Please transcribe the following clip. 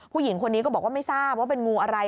ผู้หญิงคนนี้ก็บอกว่าไม่ทราบว่าเป็นงูอะไร